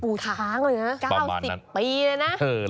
ช้างเลยนะ๙๐ปีเลยนะ